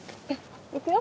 行くよ！